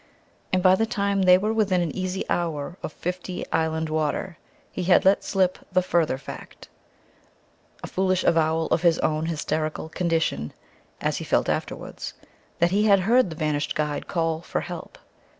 And by the time they were within an easy hour of Fifty Island Water he had let slip the further fact a foolish avowal of his own hysterical condition, as he felt afterwards that he had heard the vanished guide call "for help."